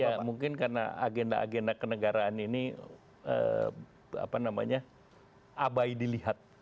ya mungkin karena agenda agenda kenegaraan ini abai dilihat